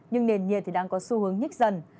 nhưng nền nhiệt đang có xu hướng nhích dần